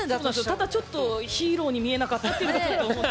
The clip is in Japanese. ただ、ちょっとヒーローに見えなかったっていうのが。